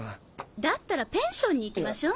だったらペンションに行きましょ。